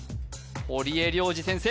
堀江亮次先生